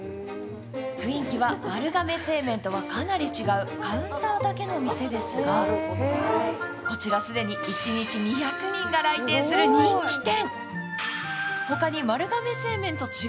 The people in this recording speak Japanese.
雰囲気は丸亀製麺とはかなり違うカウンターだけの店ですが、こちら既に一日２００人が来店する人気店。